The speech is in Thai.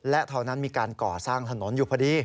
และเท่านั้นมีการก่อสร้างถนนอยู่พอดี